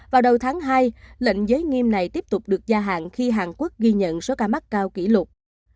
vào đầu tháng hai lệnh giới nghiêm này tiếp tục được gia hạn khi hàn quốc ghi nhận số ca mắc cao kỷ lục